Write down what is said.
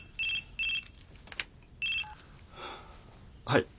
はい。